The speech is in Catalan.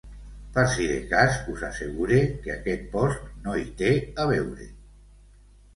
Per si de cas, us assegure que aquest post no hi té a veure.